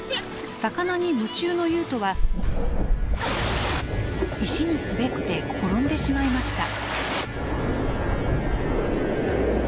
魚に夢中のユウトは石に滑って転んでしまいました。